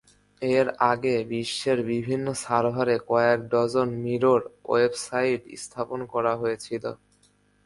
এর আগে বিশ্বের বিভিন্ন সার্ভারে কয়েক ডজন মিরর ওয়েবসাইট স্থাপন করা হয়েছিল।